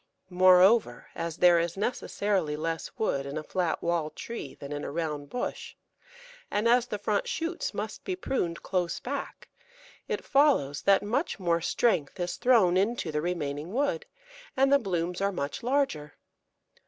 Moreover, as there is necessarily less wood in a flat wall tree than in a round bush, and as the front shoots must be pruned close back, it follows that much more strength is thrown into the remaining wood, and the blooms are much larger.